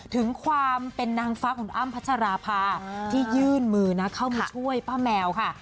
ถึงความเป็นนางฟ้าของอ้ำพัชราภาที่ยื่นมือนะเข้ามาช่วยป้าแมวค่ะ